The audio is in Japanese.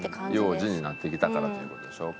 幼児になってきたからっていう事でしょうか。